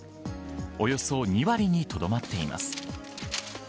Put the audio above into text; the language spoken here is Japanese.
およそ２割にとどまっています。